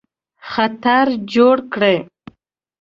خطر جوړ کړي.